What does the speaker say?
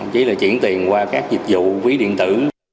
chỉ là chuyển tiền qua các dịch vụ ví điện tử